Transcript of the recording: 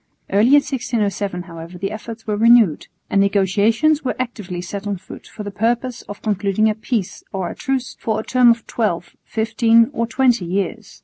Early in 1607 however the efforts were renewed, and negotiations were actively set on foot for the purpose of concluding a peace or a truce for a term of twelve, fifteen or twenty years.